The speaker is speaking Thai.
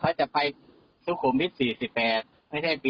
กลับมารับทราบ